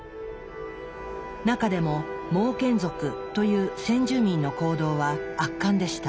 中でもモーケン族という先住民の行動は圧巻でした。